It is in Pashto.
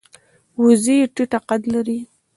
وزې ټیټه قد لري